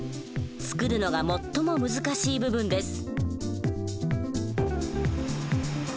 造るのが最も難しい部分です。